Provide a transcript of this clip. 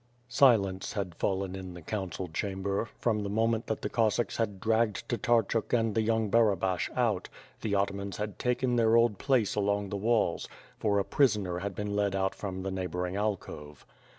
Silence had fallen in tlie council chamber, from the mo ment that the Cossacks had dragged Tatarchuk and the young naral)ash out, the atamans Jiad taken their old places along the walls; for a prisoner had been led out from the neighbor ing alcove.